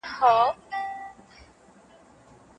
نه له خدای او نه رسوله یې بېرېږې